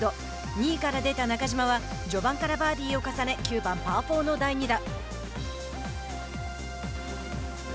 ２位から出た中島は序盤からバーディーを重ね９番パー４の第２打。